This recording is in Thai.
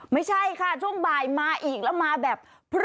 ไม่ใช่ค่ะช่วงบ่ายมาอีกแล้วมาแบบ